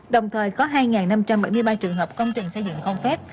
đồng thời có hai năm trăm bảy mươi ba trường hợp công trình xây dựng không phép